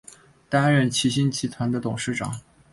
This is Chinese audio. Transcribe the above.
担任齐星集团的董事长。